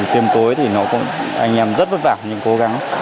tiêm tối thì anh em rất vất vả nhưng cố gắng